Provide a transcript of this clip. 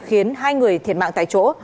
khiến hai người thiệt mạng tại chỗ